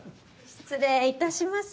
・失礼いたします。